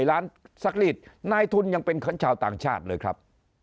ล้านซักรีดนายทุนยังเป็นชาวต่างชาติเลยครับ